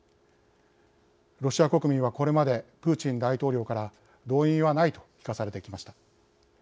ロシア国民はこれまでプーチン大統領から動員はないと聞かされてきました。